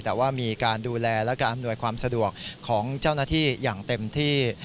แต่ว่ามีการดูแลและการอำนวยความสะดวกของเจ้าหน้าที่อย่างเต็มที่